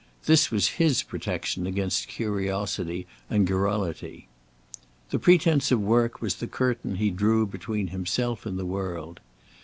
This was his protection against curiosity and garrulity. The pretence of work was the curtain he drew between himself and the world.